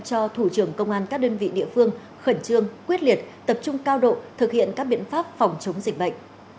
cho thủ trưởng công an các đơn vị địa phương khẩn trương quyết liệt tập trung cao độ thực hiện các biện pháp phòng chống dịch covid một mươi chín